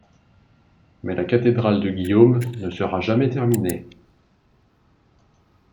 Mais la cathédrale de Guillaume ne sera jamais terminée.